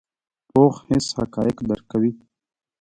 پوخ حس حقایق درک کوي